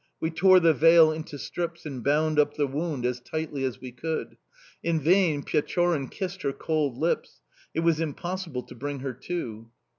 We tore the veil into strips and bound up the wound as tightly as we could. In vain Pechorin kissed her cold lips it was impossible to bring her to.